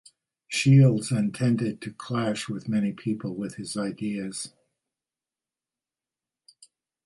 Shields and tended to clash with many people with his ideas.